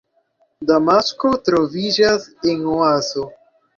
Damasko troviĝas en oazo.